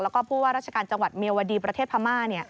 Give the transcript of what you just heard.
แล้วก็ผู้ว่าราชการจังหวัดเมียวดีประเทศพม่า